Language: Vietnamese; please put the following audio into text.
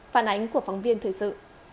phản ánh của phóng viên thời sự